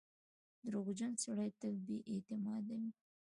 • دروغجن سړی تل بې اعتماده وي.